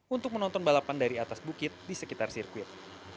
untuk menonton balapan dari atas bukit di sekitar sirkuit